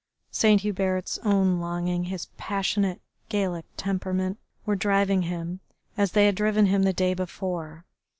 Saint Hubert's own longing, his passionate, Gallic temperament, were driving him as they had driven him the day before.